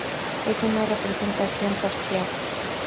Es una representación parcial.